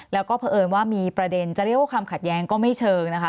แล้วก็เผอิญว่ามีประเด็นจะเรียกว่าคำขัดแย้งก็ไม่เชิงนะคะ